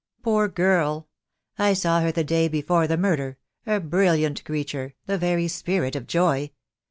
Poor girl, I saw her the day before the murder, a brilliant creature, the very spirit of joy.